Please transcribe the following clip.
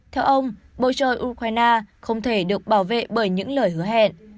theo ông bầu trời ukraine không thể được bảo vệ bởi những lời hứa hẹn